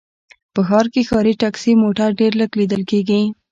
په ښار کې ښاري ټکسي موټر ډېر لږ ليدل کېږي